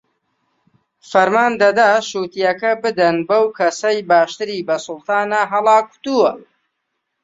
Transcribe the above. فەرمان دەدا شووتییەکە بدەن بەو کەسەی باشتری بە سوڵتان هەڵاکوتووە